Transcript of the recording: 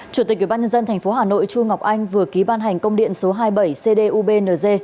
chủ tịch ubnd tp hà nội chu ngọc anh vừa ký ban hành công điện số hai mươi bảy cdubng